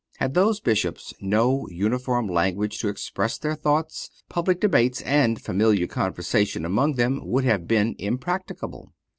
Had those Bishops no uniform language to express their thoughts, public debates and familiar conversation among them would have been impracticable.